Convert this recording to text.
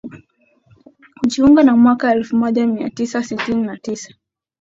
Kujiunga na mwaka elfumoja miatisa sitini na tisa